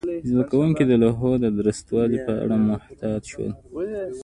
زده کوونکي د لوحو د درستوالي په اړه محتاط شول.